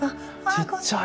ちっちゃい！